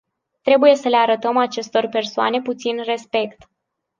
Trebuie să le arătăm acestor persoane puțin respect.